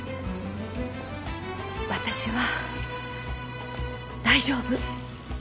私は大丈夫。